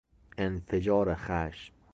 انفجار خشم